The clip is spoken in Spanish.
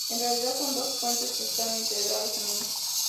En realidad son dos puentes que están integrados en uno.